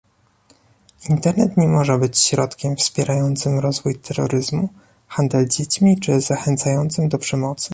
Internet nie może być środkiem wspierającym rozwój terroryzmu, handel dziećmi czy zachęcającym do przemocy